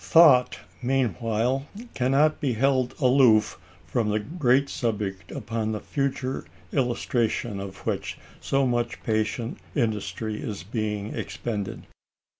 Thought, meantime, cannot be held aloof from the great subject upon the future illustration of which so much patient industry is being expended.